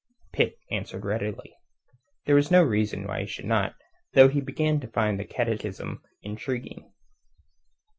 Pitt answered readily. There was no reason why he should not, though he began to find the catechism intriguing.